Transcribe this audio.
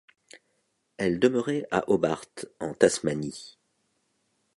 Elle demeurait à Hobart en Tasmanie.